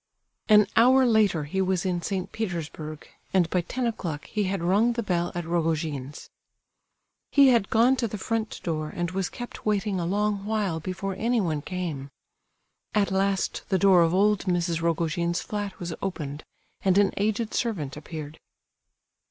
An hour later he was in St. Petersburg, and by ten o'clock he had rung the bell at Rogojin's. He had gone to the front door, and was kept waiting a long while before anyone came. At last the door of old Mrs. Rogojin's flat was opened, and an aged servant appeared.